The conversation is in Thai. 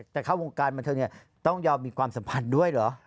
แต่เข้าวงการบันเทิงเนี่ยต้องยอมมีความสัมพันธ์ด้วยเหรอ